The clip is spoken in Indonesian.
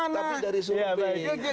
tapi dari sudut pandang